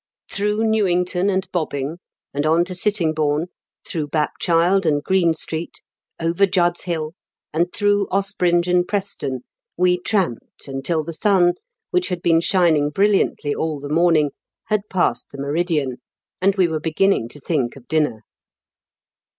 Through Newington and Bobbing, and on to Sittingbourne, through Bapchild and Green Street, over Judd's Hill, and through Ospringe and Preston, we tramped until the sun, which had been shining briUiantly aU the morning, had passed the meridian, and we were be ginning to think of dinner.